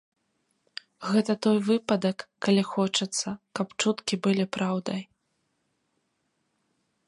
Гэта той выпадак, калі хочацца, каб чуткі былі праўдай.